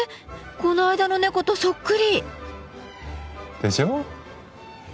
この間の猫とそっくり！でしょう？